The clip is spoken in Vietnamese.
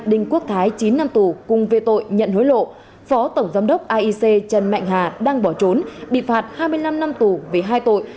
đinh quốc thái chín năm tù cùng về tội nhận hối lộ phó tổng giám đốc aic trần mạnh hà đang bỏ trốn bị phạt hai mươi năm năm tù về hai tội